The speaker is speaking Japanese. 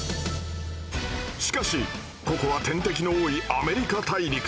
しかしここは天敵の多いアメリカ大陸。